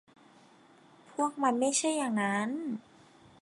พวกมันไม่ใช่อย่างนั้น